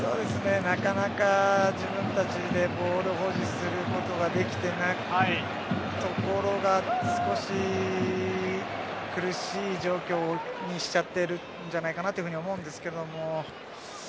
なかなか自分たちでボール保持することができていないところが少し苦しい状況にしちゃっているんじゃないかなと思うんですけども。